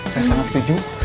saya sangat setuju